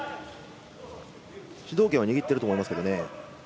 主導権を握っていると思いますけどね。